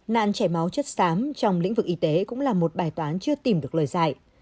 nạn chảy máu chất xám trong lĩnh vực y tế cũng là một bài toán chưa tìm được lời dạy